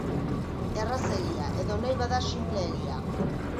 Errazegia, edo nahi bada, sinpleegia.